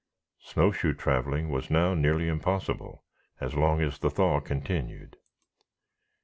Snow shoe traveling was now nearly impossible, as long as the thaw continued.